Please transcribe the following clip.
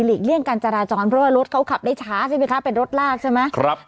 เลี่ยงการจราจรเพราะว่ารถเขาขับได้ช้าใช่ไหมคะเป็นรถลากใช่ไหมครับ